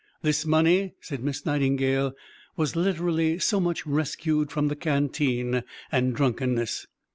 "This money," says Miss Nightingale, "was literally so much rescued from the canteen and drunkenness."